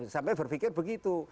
sampai berpikir begitu